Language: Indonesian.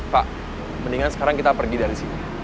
pak mendingan sekarang kita pergi dari sini